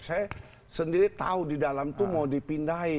saya sendiri tahu di dalam itu mau dipindahin